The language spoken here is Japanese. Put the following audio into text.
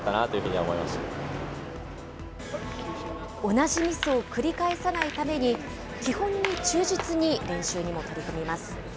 同じミスを繰り返さないために、基本に忠実に練習にも取り組みます。